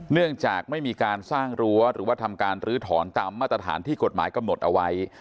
เนื่องจากไม่มีการสร้างรั้วหรือว่าทำการลื้อถอนตามมาตรฐานที่กฎหมายกำหนดเอาไว้